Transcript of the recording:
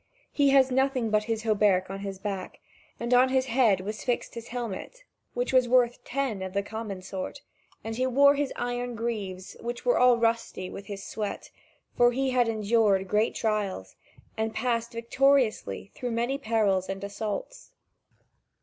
He had nothing but his hauberk on his back, and on his head was fixed his helmet, which was worth ten of the common sort, and he wore his iron greaves, which were all rusty with his sweat, for he had endured great trials, and had passed victoriously through many perils and assaults.